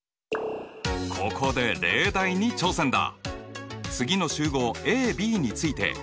ここで例題に挑戦だ！